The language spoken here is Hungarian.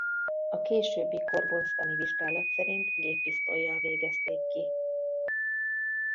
A későbbi kórbonctani vizsgálat szerint géppisztollyal végezték ki.